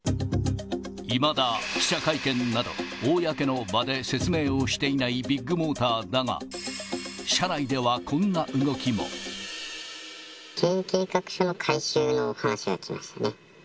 いまだ記者会見など、公の場で説明をしていないビッグモーターだが、社内ではこんな動経営計画書の回収の話が来ましたね。